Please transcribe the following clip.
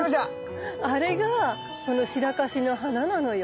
あれがシラカシの花なのよ。